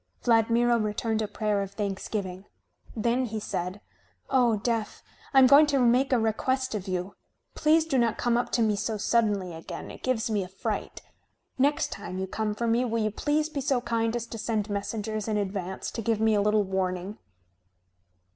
Vladmiro returned a prayer of thanksgiving. Then he said: "O Death, I am going to make a request of you. Please do not come up to me so suddenly again. It gives me a fright. Next time you come for me will you please be so kind as to send messengers in advance to give me a little warning?"